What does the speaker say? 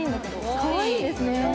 かわいいですね。